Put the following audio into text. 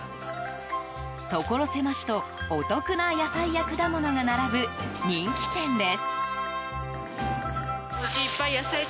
ところ狭しと、お得な野菜や果物が並ぶ人気店です。